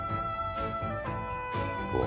うわ